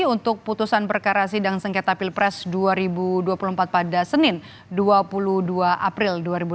untuk putusan perkara sidang sengketa pilpres dua ribu dua puluh empat pada senin dua puluh dua april dua ribu dua puluh